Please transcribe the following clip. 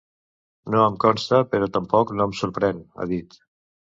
No em consta, però tampoc no em sorprèn, ha dit.